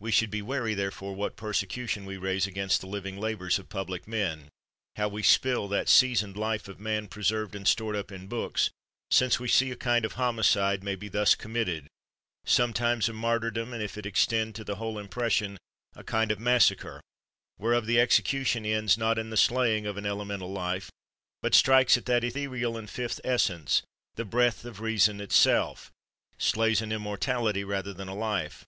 We should be wary therefore what persecution we raise against the living labors of public men, how we spill that seasoned life of man, preserved and stored up in books; since we see a kind of homicide may be thus committed, sometimes a martyrdom, and if it extend to the whole im pression, a kind of massacre ; whereof the execu tion ends not in the slaying of an elemental life, but strikes at that ethereal and fifth essence, the breath of reason itself — slays an immortality rather than a life.